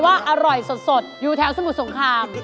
ทำไมต้องตดลองตดสอบสมองเจ๊ด้วย